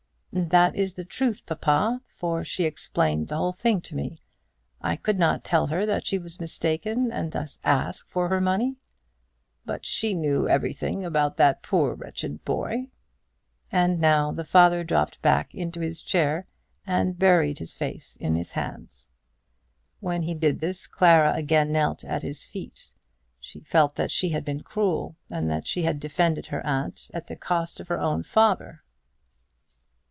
"That is the truth, papa; for she explained the whole thing to me. I could not tell her that she was mistaken, and thus ask for her money." "But she knew everything about that poor wretched boy." And now the father dropped back into his chair, and buried his face in his hands. When he did this Clara again knelt at his feet. She felt that she had been cruel, and that she had defended her aunt at the cost of her own father.